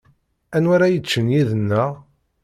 Anwa ara yeččen yid-neɣ?